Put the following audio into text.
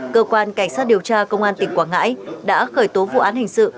cơ quan cảnh sát điều tra công an tỉnh quảng ngãi đã khởi tố vụ án hình sự